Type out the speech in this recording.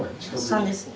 ３ですね。